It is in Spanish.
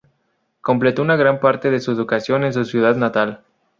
Completó una gran parte de su educación en su ciudad natal.